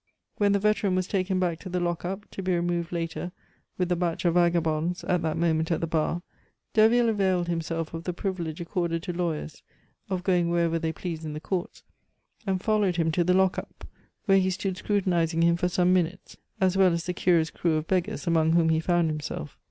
When the veteran was taken back to the lock up, to be removed later with the batch of vagabonds at that moment at the bar, Derville availed himself of the privilege accorded to lawyers of going wherever they please in the Courts, and followed him to the lock up, where he stood scrutinizing him for some minutes, as well as the curious crew of beggars among whom he found himself.